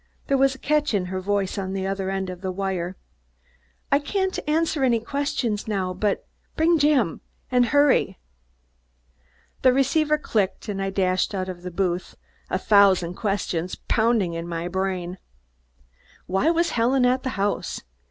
There was a catch in the voice on the other end of the wire. "I c can't answer any questions now, but bring Jim, and hurry!" The receiver clicked and I dashed out of the booth, a thousand questions pounding in my brain. Why was Helen at the house?